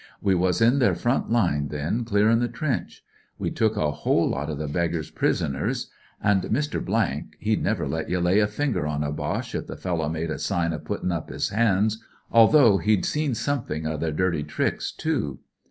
We was in their front line then, clearin' the trench. ^ Ve'd took a whole lot o' the beggars pnsoners, an' Mr. , he'd never let ye lay a finger on a Boche if the fellow made a sign o' puttin' up his hands, although he'd seen something o' theur dirty tricks, too.